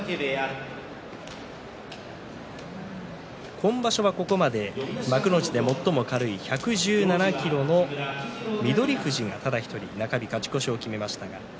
今場所は、ここまで幕内で最も軽い１１７ｋｇ翠富士が中日勝ち越しを決めました。